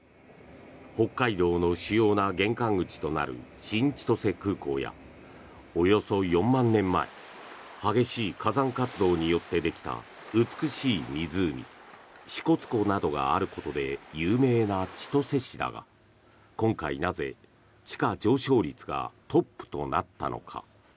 北海道の主要な玄関口となる新千歳空港やおよそ４万年前激しい火山活動によってできた美しい湖支笏湖などがあることで有名な千歳市だが今回なぜ地価上昇率がトップとなったのか。